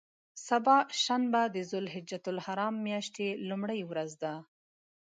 سبا شنبه د ذوالحجة الحرام میاشتې لومړۍ ورځ ده.